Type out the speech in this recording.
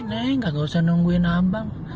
nih gak usah nungguin abang